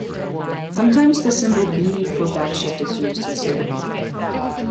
Sometimes the symbol "B" for backshift is used instead.